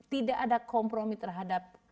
tidak ada kompromi terhadap